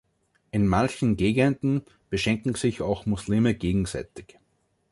In manchen Gegenden, beschenken sich auch Muslime gegenseitig.